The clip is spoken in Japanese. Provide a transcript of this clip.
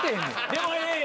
でもええ。